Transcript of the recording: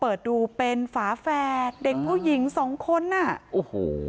เปิดดูเป็นฝาแฝดเด็กผู้หญิงสองคนอ่ะโอ้โห